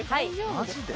マジで？